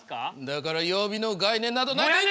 だから曜日の概念などないと。